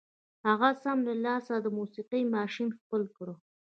هغه سم له لاسه د موسيقۍ ماشين خپل کړ.